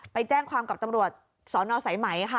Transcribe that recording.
ไปแจ้งความกับตำรวจสนสายไหมค่ะ